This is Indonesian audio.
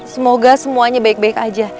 semoga semuanya baik baik aja